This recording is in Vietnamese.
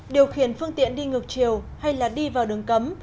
điều khiển phương tiện đi ngược chiều hay đi vào đường cấm